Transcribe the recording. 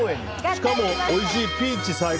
しかも、おいしいピーチ最高。